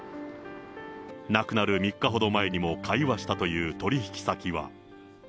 亡くなる３日ほど前にも会話したという取り引き先は。